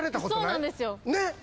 そうなんですよ。